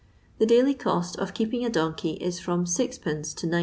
The daily cost of keeping a donkey is from 6d, to 9d.